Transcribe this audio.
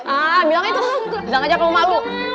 ah bilang aja kamu malu